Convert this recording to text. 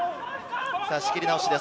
仕切り直しです。